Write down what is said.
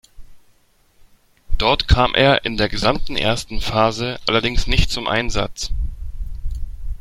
Dort kam er in der gesamten ersten Phase allerdings nicht zum Einsatz.